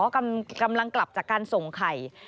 กำลังกลับจากการส่งไข่